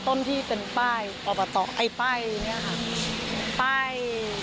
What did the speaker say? ต้นที่เป็นป้ายประวัติต่อไอ้ป้ายเนี้ยค่ะป้าย